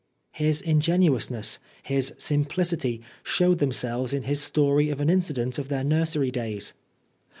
His ingenuousness, his simplicity, showed themselves in his story of an incident of their nursery days.